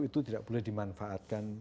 itu tidak boleh dimanfaatkan